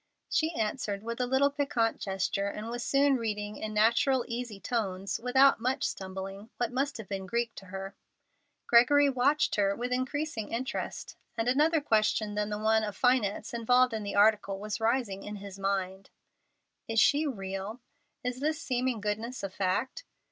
She answered with a little piquant gesture, and was soon reading in natural, easy tones, without much stumbling, what must have been Greek to her. Gregory watched her with increasing interest, and another question than the one of finance involved in the article was rising in his mind. "Is this real? Is this seeming goodness a fact?"